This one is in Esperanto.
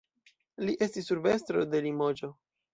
Li estis urbestro de Limoĝo.